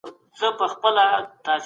د احتکار مخه نیول د هر تبعه ملي وجیبه ده.